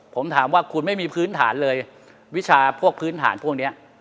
ผมถามว่าคุณไม่มีพื้นฐานเลยวิชาพวกพื้นฐานพวกนี้